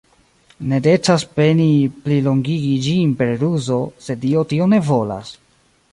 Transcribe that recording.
Ne decas peni plilongigi ĝin per ruzo, se Dio tion ne volas!